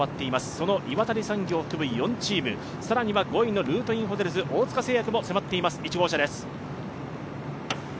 その岩谷産業を含む４チーム、更には５位のルートインホテルズ、大塚製薬も迫っています、１号車です。